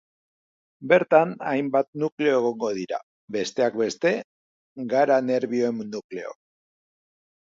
Bertan hainbat nukleo egongo dira, besteak beste gara nerbioen nukleoak.